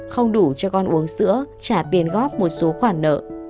không đủ cho con uống sữa trả tiền góp một số khoản nợ